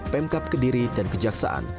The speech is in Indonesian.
pemkap kediri dan kejaksaan